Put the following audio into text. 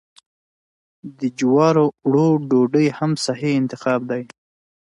د جوارو اوړو ډوډۍ هم صحي انتخاب دی.